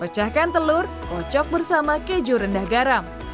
pecahkan telur kocok bersama keju rendah garam